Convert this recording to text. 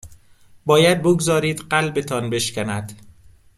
باید بگذارید قلبتان بشکند